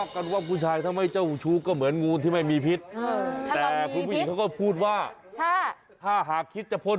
คุณผู้ชมครับมันเจ้าชู้มาก